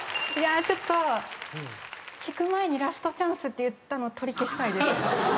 ちょっと弾く前にラストチャンスって言ったの取り消したいです。